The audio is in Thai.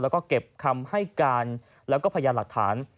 แล้วก็เก็บคำให้การแล้วก็พยานหลักฐาน